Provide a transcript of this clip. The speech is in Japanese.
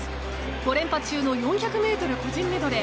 ５連覇中の４００ｍ個人メドレー。